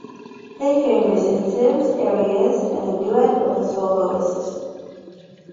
They frame recitatives, arias and a duet of the soloists.